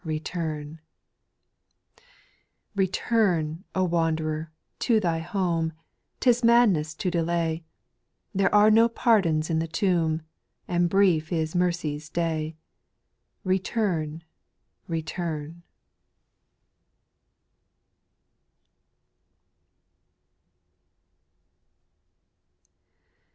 Return, O wanderer, to thy home ; 'T is madness to delay ; There are no pardons in the tomb, A.nd brief is mercy's day. Return ! return